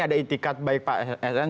ada itikat baik pak sn